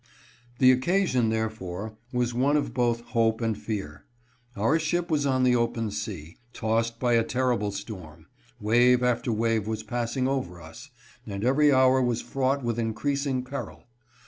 The occasion, therefore, was one of both hope and fear. Our ship was on the open sea, tossed by a terrible storm ; wave after wave was passing over us, and every hour was fraught with increasing peril.